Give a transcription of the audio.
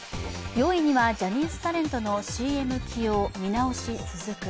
４位には、ジャニーズタレントのＣＭ起用見直し続く。